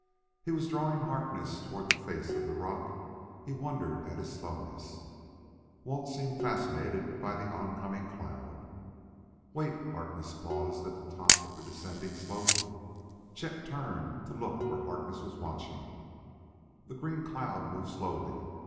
He was drawing Harkness toward the face of the rock; he wondered at his slowness. Walt seemed fascinated by the oncoming cloud. "Wait!" Harkness paused at the top of the descending slope. Chet turned, to look where Harkness was watching. The green cloud moved slowly.